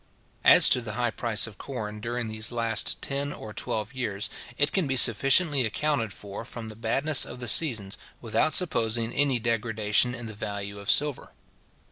As to the high price of corn during these last ten or twelve years, it can be sufficiently accounted for from the badness of the seasons, without supposing any degradation in the value of silver.